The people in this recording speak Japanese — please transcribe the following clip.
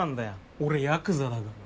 俺ヤクザだから。